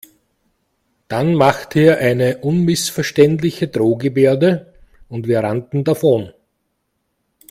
Dann machte er eine unmissverständliche Drohgebärde und wir rannten davon.